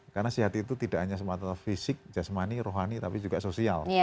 karena sehat itu tidak hanya semata mata fisik jasmani rohani tapi juga sosial